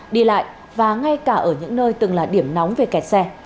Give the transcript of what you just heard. đi lại và ngay cả ở những nơi từng là điểm nóng về kẹt xe